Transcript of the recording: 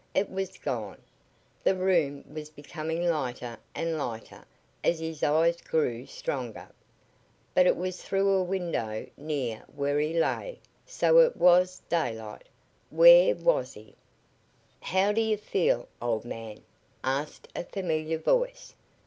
It was gone. The room was becoming lighter and lighter as his eyes grew stronger, but it was through a window near where he lay. So it was daylight! Where was he? "How do you feel, old man?" asked a familiar voice.